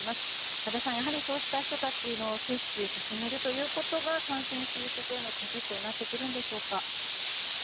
和田さん、そうした人たちの接種を進めることが感染収束への鍵となってくるんでしょうか。